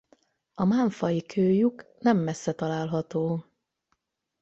A Mánfai-kőlyuk nem messze található.